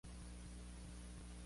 Ganó tres etapas del Giro de Italia.